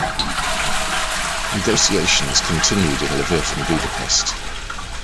Negotiations continued in Lviv and Budapest.